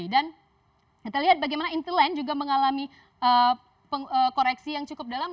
dan kita lihat bagaimana intelent juga mengalami koreksi yang cukup dalam